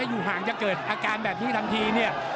อยู่ห่างจะเกิดอาการแบบนี้ทันทีเนี่ย